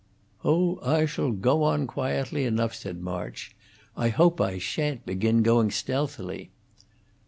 "Oh, I shall go on quietly enough," said March. "I hope I sha'n't begin going stealthily."